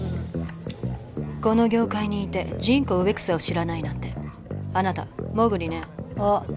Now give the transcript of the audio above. この業界にいてジンコウエクサを知らないなんてあなたもぐりねあっ